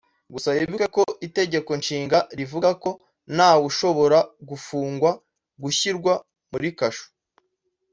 Gusa wibuke ko Itegeko Nshinga rivuga ko ntawe ushobora gufungwa (gushyirwa muri kasho